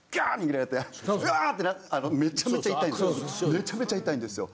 めちゃめちゃ痛いんですよ。